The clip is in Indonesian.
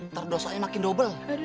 terdosa makin dobel